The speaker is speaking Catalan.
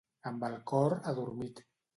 Amb el cor adormit.